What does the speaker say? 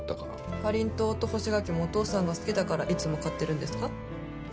かりんとうと干し柿もお父さんが好きだからいつも買ってるんですか？